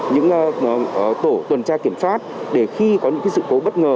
những tổ tuần tra kiểm soát để khi có những sự cố bất ngờ